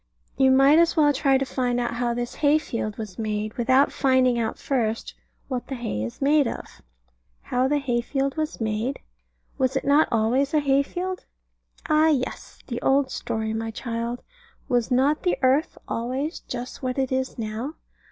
You might as well try to find out how this hay field was made, without finding out first what the hay is made of. How the hay field was made? Was it not always a hay field? Ah, yes; the old story, my child: Was not the earth always just what it is now?